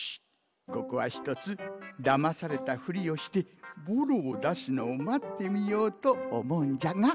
ここはひとつだまされたふりをしてボロをだすのをまってみようとおもうんじゃが。